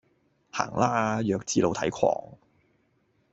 行啦，弱智露體狂